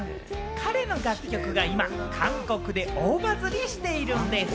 彼の楽曲が今、韓国で大バズりしているんでぃす。